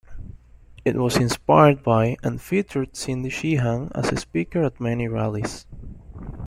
It was inspired by and featured Cindy Sheehan as a speaker at many rallies.